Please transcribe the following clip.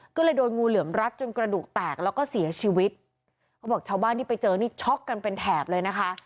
ก็เลยโดนงูเหลือมรัดจนกระดูกแตกแล้วก็เสียชีวิตเขาบอกชาวบ้านที่ไปเจอนี่ช็อกกันเป็นแถบเลยนะคะ